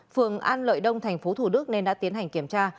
phường an lợi đông thành phố thủ đức nên đã tiến hành kiểm tra